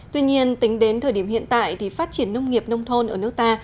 tuy nhiên tính đến thời điểm hiện tại thì phát triển nông nghiệp nông thôn ở nước ta